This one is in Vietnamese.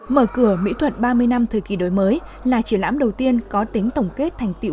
mở cửa mỹ thuật ba mươi năm thời kỳ đổi mới là triển lãm đầu tiên có tính tổng kết thành tiệu